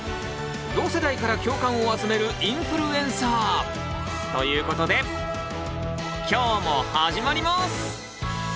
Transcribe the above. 同世代から共感を集めるインフルエンサー！ということで今日も始まります！